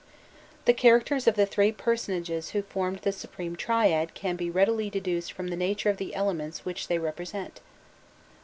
The characters of the three personages who formed the supreme triad can be readily deduced from the nature of the elements which they represent.